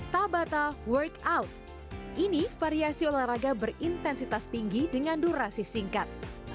tabata workout ini variasi olahraga berintensitas tinggi dengan durasi singkat